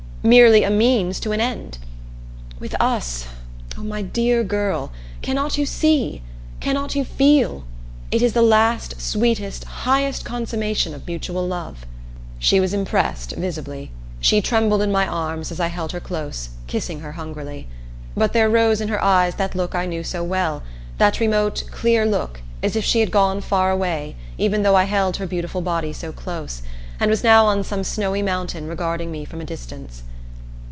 Merely a means to an end! With us oh, my dear girl cannot you see? Cannot you feel? It is the last, sweetest, highest consummation of mutual love." She was impressed visibly. She trembled in my arms, as I held her close, kissing her hungrily. But there rose in her eyes that look I knew so well, that remote clear look as if she had gone far away even though I held her beautiful body so close, and was now on some snowy mountain regarding me from a distance.